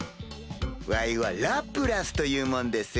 わいはラプラスという者です。